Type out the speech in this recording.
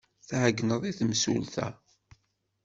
Tɛeyyneḍ i temsulta.